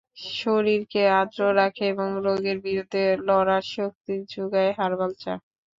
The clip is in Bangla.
শরীরকে আর্দ্র রাখে এবং রোগের বিরুদ্ধে লড়ার শক্তি জোগায় হারবাল চা।